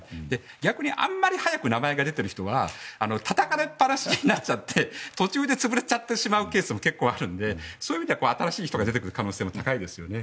逆にあまり早く名前が出ている人はたたかれっぱなしになっちゃって途中で潰れちゃうケースも結構あるのでそういう意味では新しい人が出てくる可能性は高いですよね。